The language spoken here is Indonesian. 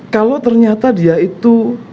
kalau ternyata dia itu